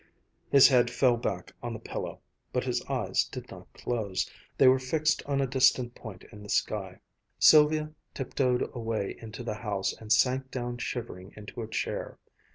His head fell back on the pillow, but his eyes did not close. They were fixed on a distant point in the sky. Sylvia tiptoed away into the house and sank down shivering into a chair.